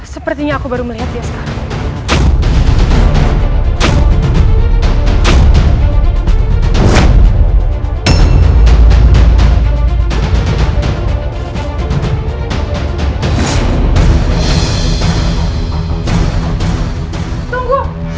sepertinya aku baru melihat ya sekarang